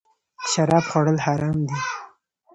شراب خوړل حرام دی